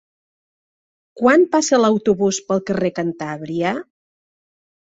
Quan passa l'autobús pel carrer Cantàbria?